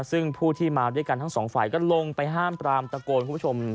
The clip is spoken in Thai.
ซึ่งผู้ที่มาด้วยกันทั้งสองฝ่ายก็ลงไปห้ามปรามตะโกนคุณผู้ชม